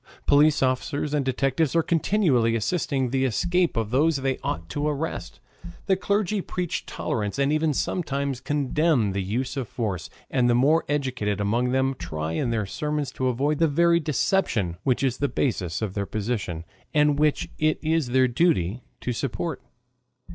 Police officers and detectives are continually assisting the escape of those they ought to arrest. The clergy preach tolerance, and even sometimes condemn the use of force, and the more educated among them try in their sermons to avoid the very deception which is the basis of their position and which it is their duty to support.